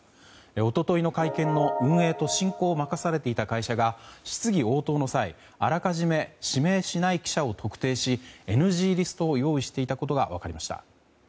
一昨日の会見の運営と進行を任されていた会社が質疑応答の際、あらかじめ指名しない記者を特定しＮＧリストを用意していたことが分かりました。